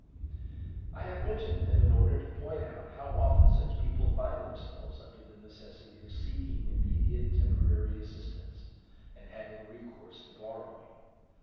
"I have mentioned them in order to point out how often such people find themselves under the necessity of seeking immediate temporary assistance and having recourse to borrowing.